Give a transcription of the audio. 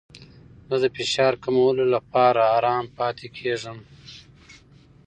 زه د فشار کمولو لپاره ارام پاتې کیږم.